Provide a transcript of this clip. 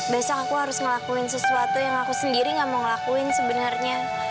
biasanya aku harus ngelakuin sesuatu yang aku sendiri gak mau ngelakuin sebenarnya